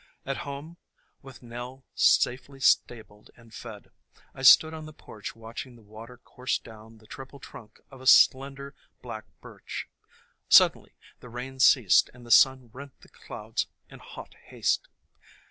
At home, with Nell safely stabled and fed, I stood on the porch watching the water course down the triple trunk of a slender Black Birch. Sud denly the rain ceased and the sun rent the clouds in hot haste.